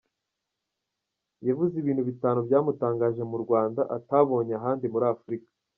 Yavuze ibintu bitanu byamutangaje mu Rwanda atabonye ahandi muri Afurika.